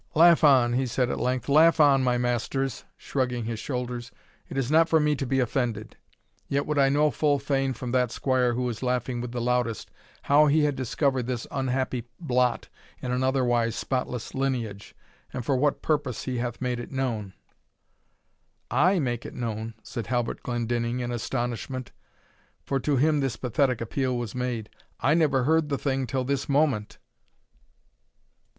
"Laugh on," he said at length, "laugh on, my masters," shrugging his shoulders; "it is not for me to be offended yet would I know full fain from that squire who is laughing with the loudest, how he had discovered this unhappy blot in an otherwise spotless lineage, and for what purpose he hath made it known?" "I make it known?" said Halbert Glendinning, in astonishment, for to him this pathetic appeal was made, "I never heard the thing till this moment."